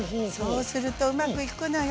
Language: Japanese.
そうするとうまくいくのよ。